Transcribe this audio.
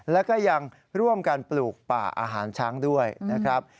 แล้วก็ยังร่วมกันปลูกป่าอาหารช้างด้วยนะครับ